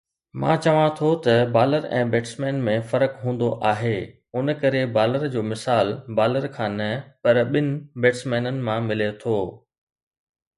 مان چوان ٿو ته بالر ۽ بيٽسمين ۾ فرق هوندو آهي. ان ڪري بالر جو مثال بالر کان نه پر ٻن بيٽسمينن مان ملي ٿو